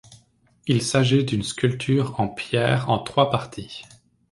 Il s'agit d'une sculpture en pierre en trois parties.